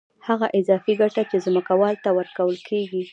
هغه اضافي ګټه چې ځمکوال ته ورکول کېږي